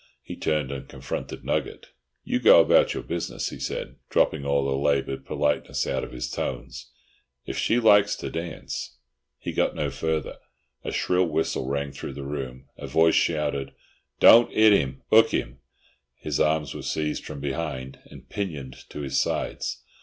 He turned and confronted Nugget. "You go about your business," he said, dropping all the laboured politeness out of his tones. "If she likes to dance—" He got no further. A shrill whistle rang through the room; a voice shouted, "Don't 'it 'im; 'ook 'im!" His arms were seized from behind and pinioned to his sides.